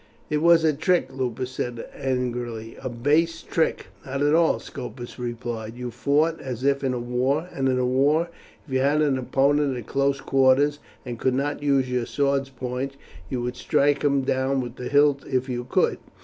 "It was a trick," Lupus said angrily, "a base trick." "Not at all," Scopus replied. "You fought as if in war; and in war if you had an opponent at close quarters, and could not use your sword's point, you would strike him down with the hilt if you could.